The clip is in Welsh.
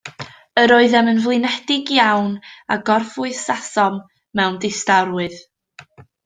Yr oeddem yn flinedig iawn, a gorffwysasom mewn distawrwydd.